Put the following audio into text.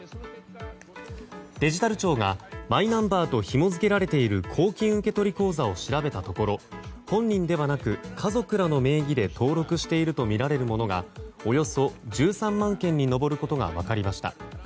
デジタル庁がマイナンバーとひもづけられている公金受取口座を調べたところ本人ではなく家族らの名義で登録しているとみられるものがおよそ１３万件に上ることが分かりました。